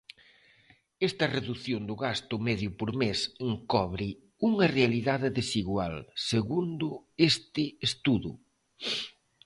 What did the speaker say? Esta redución do gasto medio por mes encobre unha realidade desigual, segundo este estudo.